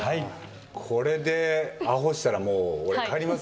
これでアホしたらもう俺帰ります。